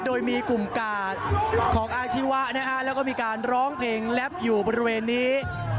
โดยมีกลุ่มกาดของอาชีวะนะฮะแล้วก็มีการร้องเพลงแลปอยู่บริเวณนี้